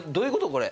これ。